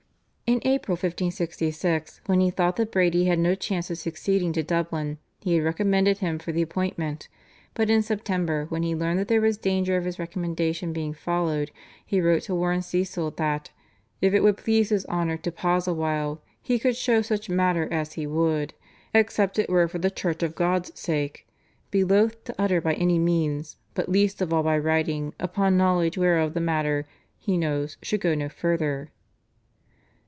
In April 1566, when he thought that Brady had no chance of succeeding to Dublin, he had recommended him for the appointment, but in September, when he learned that there was danger of his recommendation being followed, he wrote to warn Cecil that "if it would please his honour to pause a while he could show such matter as he would, except it were for the Church of God's sake, be loath to utter by any means, but least of all by writing, upon knowledge whereof the matter, he knows, should go no further."